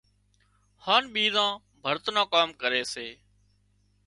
هانَ ٻيزان ڀرت نان ڪام ڪري سي